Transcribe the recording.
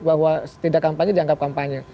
bahwa tidak kampanye dianggap kampanye